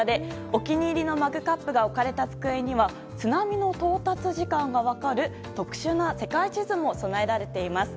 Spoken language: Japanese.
お気に入りのマグカップが置かれた机には津波の到達時間が分かる特殊な世界地図も備えられています。